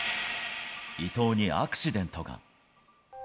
伊藤にアクシデントが。